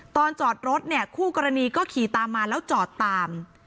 จอดรถเนี่ยคู่กรณีก็ขี่ตามมาแล้วจอดตาม